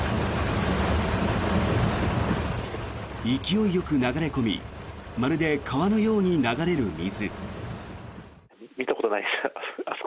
勢いよく流れ込みまるで川のように流れる水。